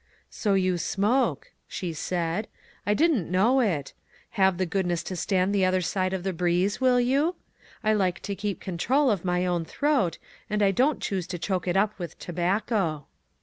"So you smoke," she said; "I didn't know it. Have the goodness to stand the other side of the breeze, will you ? I like to keep control of my own throat, and I don't choose to choke it up with tobacco."